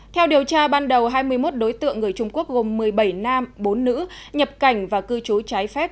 theo điều tra ban đầu hai mươi một đối tượng người trung quốc gồm một mươi bảy nam bốn nữ nhập cảnh và cư trú trái phép